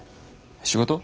仕事？